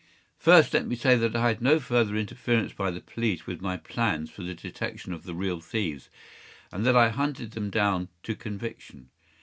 First, let me say that I had no further interference by the police with my plans for the detection of the real thieves, and that I hunted them down to conviction.